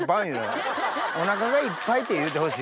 「お腹がいっぱい」って言うてほしい。